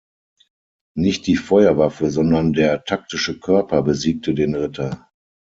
Nicht die Feuerwaffe, sondern der taktische Körper besiegte den Ritter.